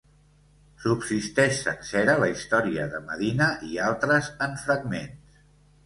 Subsisteix sencera la història de Medina i altres en fragments.